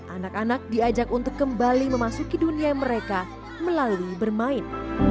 anak anak diajak untuk kembali memasuki dunia mereka melalui bermain